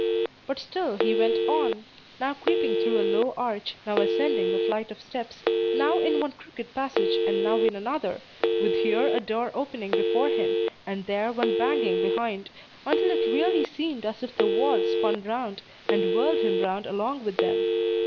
But still he went on, now creeping through a low arch, now ascending a flight of steps, now in one crooked passage and now in another, with here a door opening before him, and there one banging behind, until it really seemed as if the walls spun round, and whirled him round along with them.